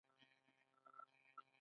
ډالر هم یو بینالذهني شی دی.